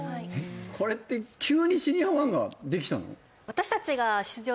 これって急にシニアⅠができたの？